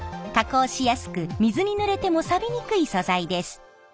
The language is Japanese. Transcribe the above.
加工しやすく水にぬれてもさびにくい素材です。